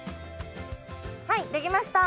はい出来ました。